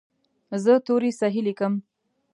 زه توري صحیح لیکم.